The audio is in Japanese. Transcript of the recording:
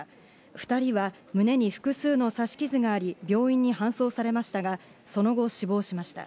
２人は胸に複数の刺し傷があり、病院に搬送されましたが、その後、死亡しました。